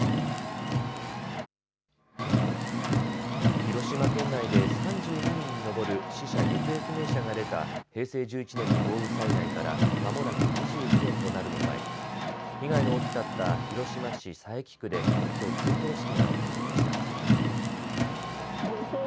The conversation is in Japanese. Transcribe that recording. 広島県内で３２人に上る死者・行方不明者が出た平成１１年の豪雨災害からまもなく２２年となるのを前に被害の大きかった広島市佐伯区できょう追悼式が行われました。